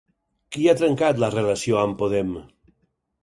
Qui ha trencat la relació amb Podem?